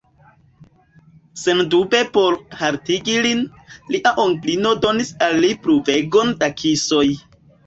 Sendube por haltigi lin, lia onklino donis al li pluvegon da kisoj.